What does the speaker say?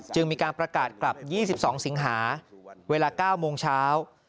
มีการประกาศกลับ๒๒สิงหาเวลา๙โมงเช้า